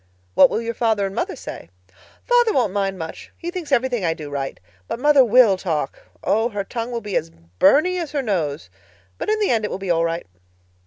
"What will your father and mother say?" "Father won't say much. He thinks everything I do right. But mother will talk. Oh, her tongue will be as Byrney as her nose. But in the end it will be all right."